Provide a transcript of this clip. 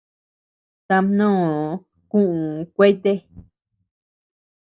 Tamnoo kuʼuu kuete.